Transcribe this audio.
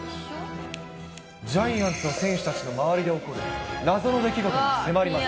ジャイアンツの選手たちの周りで起こる謎の出来事に迫ります。